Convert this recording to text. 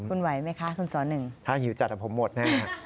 คุณไหวไหมคะคุณสอนหนึ่งถ้าหิวจัดผมหมดแน่